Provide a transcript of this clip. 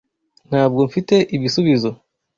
Ntabwo mfite ibisubizo